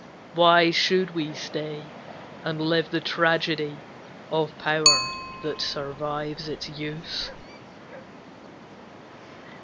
Why should we stay, and live the tragedy Of power that survives its use?"